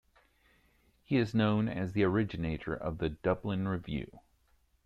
He is known as the originator of the "Dublin Review".